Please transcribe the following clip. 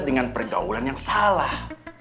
dengan pergaulan yang salah